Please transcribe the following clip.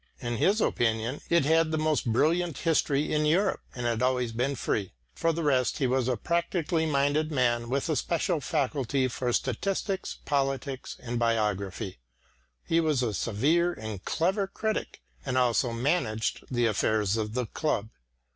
In his opinion it had the most brilliant history in Europe, and had always been free. For the rest he was a practically minded man with a special faculty for statistics, politics, and biography; he was a severe and clever critic, and also managed the affairs of the club.